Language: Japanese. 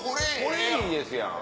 これいいですやん。